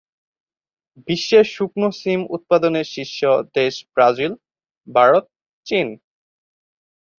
বিশ্বে শুকনো শিম উৎপাদনে শীর্ষ দেশ ব্রাজিল, ভারত, চীন।